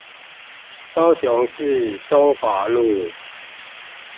高雄市中華路